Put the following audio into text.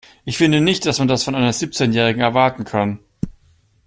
Ich finde nicht, dass man das von einer Siebzehnjährigen erwarten kann.